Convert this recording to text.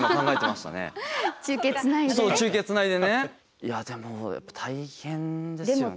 いやでも大変ですよね。